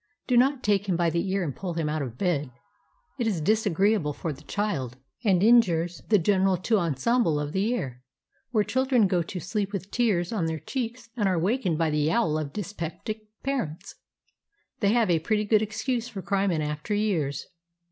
Do not take him by the ear and pull him out of bed. It is disagreeable for the child, and injures the general tout ensemble of the ear. Where children go to sleep with tears on their cheeks and are wakened by the yowl of dyspeptic parents, they have a pretty good excuse for crime in after years.